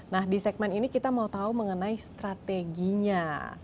nah di segmen ini kita mau tahu mengenai strateginya